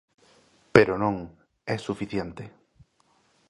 Pero non, é suficiente.